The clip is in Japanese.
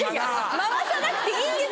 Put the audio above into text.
回さなくていいんです！